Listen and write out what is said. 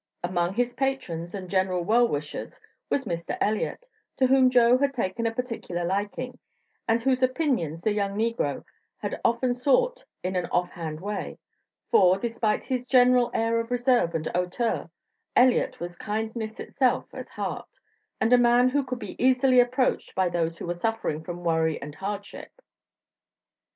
Among his patrons and general well wishers was Mr. Elliott, to whom Joe had taken a particular liking, and whose opinions the young negro had often sought in an off hand way; for, despite his general air of reserve and hauteur, Elliott was kindness itself at heart, and a man who could be easily approached by those who were suffering from worry and hardship.